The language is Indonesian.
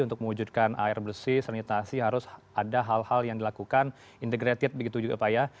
untuk mewujudkan air bersih sanitasi harus ada hal hal yang dilakukan integrated begitu juga pak ya